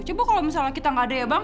coba kalau misalnya kita nggak ada ya bang